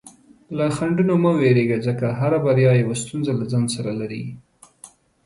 له خنډونو څخه مه ویریږه، ځکه هره بریا یوه ستونزه له ځان سره لري.